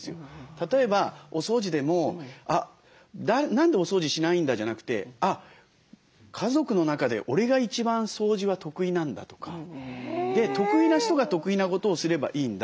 例えばお掃除でも「何でお掃除しないんだ」じゃなくて「家族の中で俺が一番掃除は得意なんだ」とか得意な人が得意なことをすればいいんだ。